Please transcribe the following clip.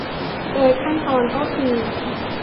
โดยขั้นตอนก็คือ